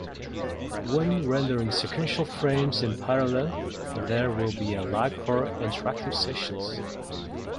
When rendering sequential frames in parallel there will be a lag for interactive sessions.